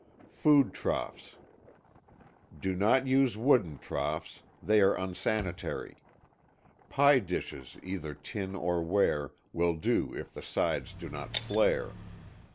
7.ŌĆöFood Troughs. Do not use wooden troughs; they are unsanitary. Pie dishes either tin or ware, will do if the sides do not flare.